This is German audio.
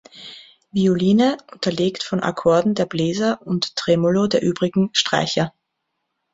Violine, unterlegt von Akkorden der Bläser und Tremolo der übrigen Streicher.